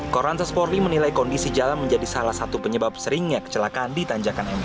koranta sporting menilai kondisi jalan menjadi salah satu penyebab seringnya kecelakaan di tanjakan emen